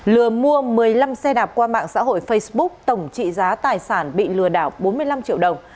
lừa mua một mươi năm xe đạp qua mạng xã hội facebook tổng trị giá tài sản bị lừa đảo bốn mươi năm triệu đồng